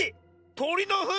とりのふん？